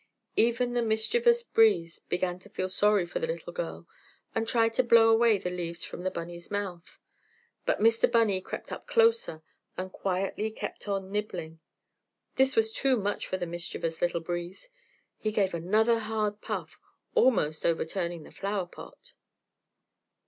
Even the mischievous breeze began to feel sorry for the little girl and tried to blow away the leaves from the bunny's mouth, but Mr. Bunny crept up closer and quietly kept on nibbling. This was too much for the mischievous little breeze. He gave another hard puff, almost overturning the flower pot.